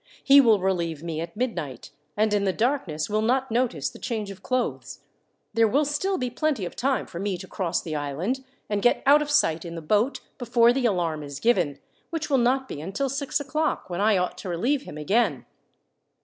He will relieve me at midnight, and in the darkness will not notice the change of clothes. There will still be plenty of time for me to cross the island, and get out of sight in the boat, before the alarm is given, which will not be until six o'clock, when I ought to relieve him again.